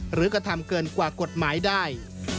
กระทำเกินกว่ากฎหมายได้